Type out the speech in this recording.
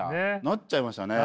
なっちゃいましたね。